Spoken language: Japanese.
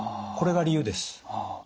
これが理由です。